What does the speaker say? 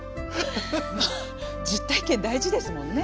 まあ実体験大事ですもんね。